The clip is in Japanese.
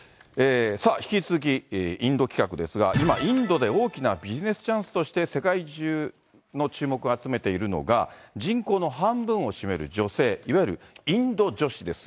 さあ、引き続きインド企画ですが、今、インドで大きなビジネスチャンスとして世界中の注目を集めているのが、人口の半分を占める女性、いわゆるインド女子です。